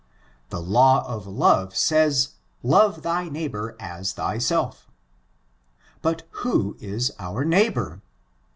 The law of love says, love thy neighbor as thyself. But who is our neighbor?